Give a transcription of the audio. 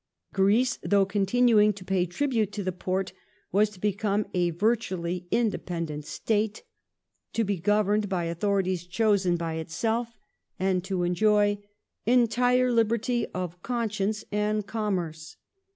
Greece, though continuing to pay tribute to the Porte, was to become a virtually independent State, to be governed by authorities chosen by itself, and to enjoy " entire liberty of con science and commerce